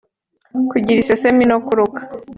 Kugira iseseme no kuruka